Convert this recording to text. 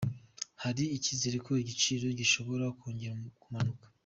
Hari icyizere ko igiciro gishobora kongera kumanuka.